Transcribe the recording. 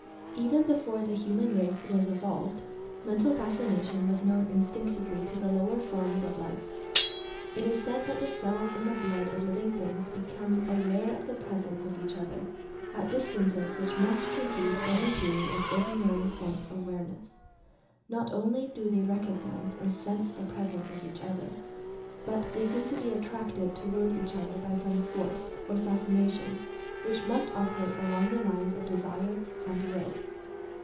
Even before the human race was evolved, Mental Fascination was known instinctively to the lower forms of life. It is said that the celte in the blood of living things become aware of the 'presence of each other, at distances which must preclude any theory of ordinary sense "awareness." Not only do they recog nize or "sense" the presence of each other, but they seem to be attracted toward each other by some force, or fascination, which must operate along the lines of Desire and Will.